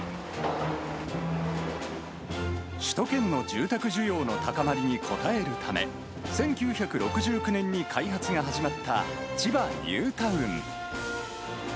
首都圏の住宅需要の高まりに応えるため、１９６９年に開発が始まった千葉ニュータウン。